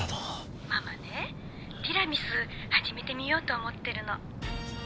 ☎ママねティラミス始めてみようと思ってるの。